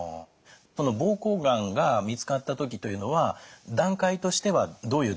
膀胱がんが見つかった時というのは段階としてはどういう段階？